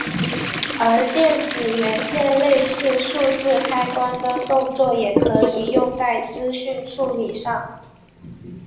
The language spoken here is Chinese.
而电子元件类似数字开关的动作也可以用在资讯处理上。